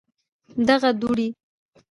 دغه دوړي